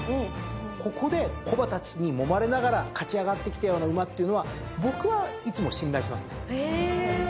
ここで古馬たちにもまれながら勝ち上がってきたような馬っていうのは僕はいつも信頼してますね。